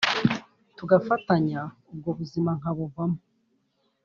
tugafatanya ubwo buzima nkabuvamo